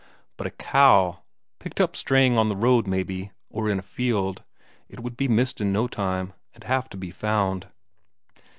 But a cow, picked up straying on the road, maybe, or in a field it would be missed in no time, and have to be found.